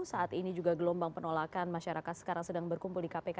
saat ini juga gelombang penolakan masyarakat sekarang sedang berkumpul di kpk